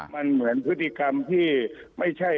มันเหมือนพฤติกรรมที่ไม่ใช่